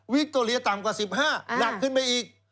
คโตเรียต่ำกว่า๑๕หนักขึ้นไปอีก